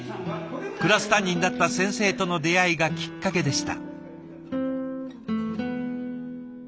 クラス担任だった先生との出会いがきっかけでした。